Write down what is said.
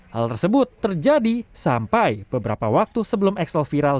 hal tersebut terjadi sampai beberapa waktu sebelum excel viral